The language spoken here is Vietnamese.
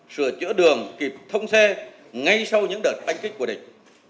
sửa chữa đường kịp thông xe ngay sau những đợt anh kích của địch